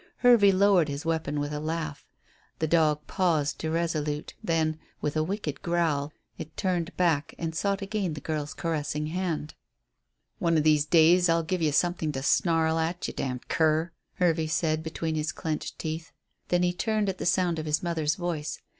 Hervey lowered his weapon with a laugh. The dog paused irresolute, then, with a wicked growl, it turned back and sought again the girl's caressing hand. "One of these days I'll give you something to snarl at, you d d cur," Hervey said, between his clenched teeth. Then he turned at the sound of his mother's voice.